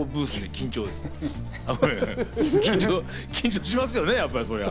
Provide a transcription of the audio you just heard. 緊張しますよね、そりゃ。